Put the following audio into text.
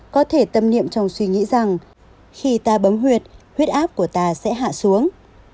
có thể tâm niệm trong suy nghĩ rằng khi ta bấm huyệt huyết áp của ta sẽ hạ xuống